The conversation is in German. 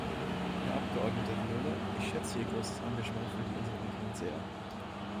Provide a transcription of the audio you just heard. Herr Abgeordneter Viola, ich schätze Ihr großes Engagement für die Inselregionen sehr.